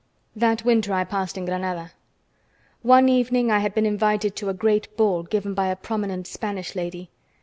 IV That winter I passed in Granada. One evening I had been invited to a great ball given by a prominent Spanish lady.